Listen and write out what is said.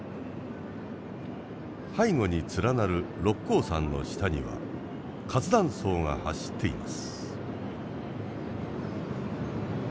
背後に連なる六甲山の下には活断層が走っています。